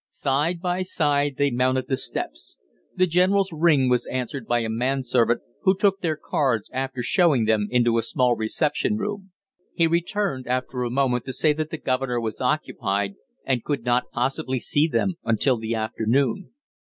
Side by side they mounted the steps. The general's ring was answered by a man servant, who took their cards after showing them into a small reception room. He returned after a moment to say that the governor was occupied and could not possibly see them until the afternoon.